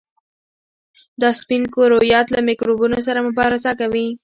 دا سپین کرویات له میکروبونو سره مبارزه کوي.